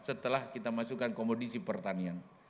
setelah kita masukkan komodisi pertanian